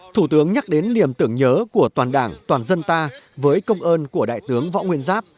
thủ tướng nhắc đến niềm tưởng nhớ của toàn đảng toàn dân ta với công ơn của đại tướng võ nguyên giáp